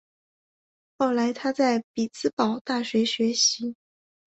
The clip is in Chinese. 后来他在匹兹堡大学学习。